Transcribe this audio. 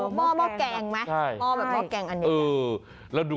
หม้อแกงมั้ย